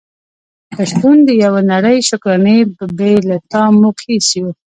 په شتون د يوه نړی شکرانې بې له تا موږ هيڅ يو ❤️